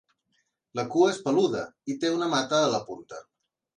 La cua és peluda i té una mata a la punta.